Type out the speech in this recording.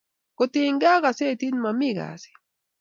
kotiny ge ak gazetit mami kasit